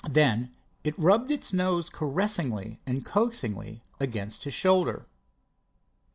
Then it rubbed its nose caressingly and coaxingly against his shoulder.